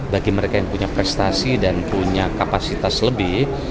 bagi mereka yang punya prestasi dan punya kapasitas lebih